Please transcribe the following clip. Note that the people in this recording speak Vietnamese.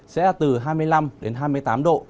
sẽ là từ hai mươi năm đến hai mươi tám độ